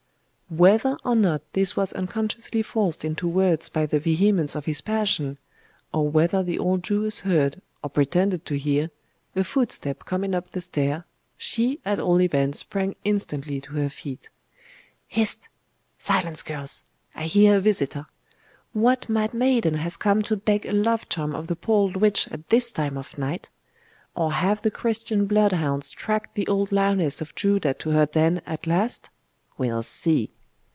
Whether or not this was unconsciously forced into words by the vehemence of his passion, or whether the old Jewess heard, or pretended to hear, a footstep coming up the stair, she at all events sprang instantly to her feet. 'Hist! Silence, girls! I hear a visitor. What mad maiden has come to beg a love charm of the poor old witch at this time of night? Or have the Christian bloodhounds tracked the old lioness of Judah to her den at last? We'll see!